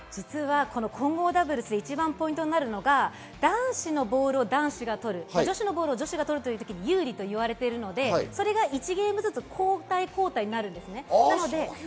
混合ダブルスで一番ポイントなのが、男子のボールを男子が取る、女子のボールを女子が取るというのが有利と言われているので、１ゲームずつ交代になります。